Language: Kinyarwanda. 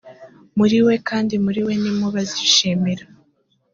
muri we kandi muri we ni mo bazishimira